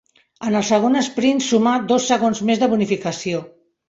En el segon esprint sumà dos segons més de bonificació.